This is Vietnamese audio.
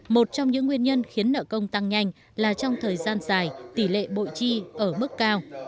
một trong những nguyên nhân khiến nợ công tăng nhanh là trong thời gian dài tỷ lệ bội chi ở mức cao